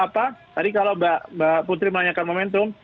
tadi kalau mbak putri menanyakan momentum